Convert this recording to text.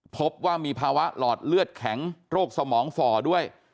พบว่ามีภาวะหลอดเลือดแข็งโรคสมองฝ่อด้วย